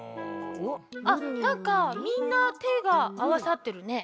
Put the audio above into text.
あっなんかみんなてがあわさってるね。